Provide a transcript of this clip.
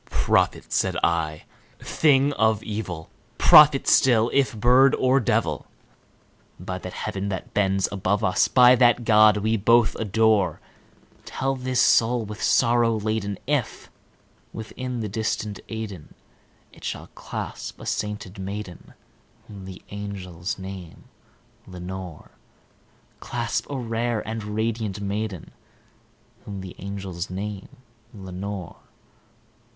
"Prophet!" said I, "thing of evil prophet still, if bird or devil! By that Heaven that bends above, us by that God we both adore Tell this soul with sorrow laden if, within the distant Aidenn, It shall clasp a sainted maiden whom the angels name Lenore Clasp a rare and radiant maiden whom the angels name Lenore."